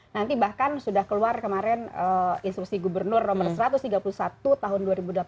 nanti bahkan sudah keluar kemarin instruksi gubernur nomor satu ratus tiga puluh satu tahun dua ribu delapan belas